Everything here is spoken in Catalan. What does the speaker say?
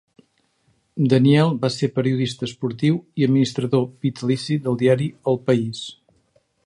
Daniel va ser periodista esportiu i administrador vitalici del diari El País.